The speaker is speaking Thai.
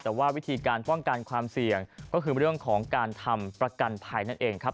แต่ว่าวิธีการป้องกันความเสี่ยงก็คือเรื่องของการทำประกันภัยนั่นเองครับ